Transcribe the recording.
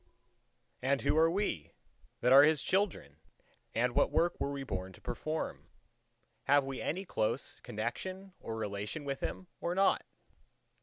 And who are we that are His children and what work were we born to perform? Have we any close connection or relation with Him or not?